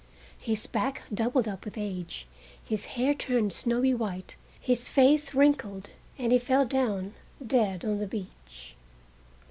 His back doubled up with age, his hair turned snowy white, his face wrinkled and he fell down dead on the beach.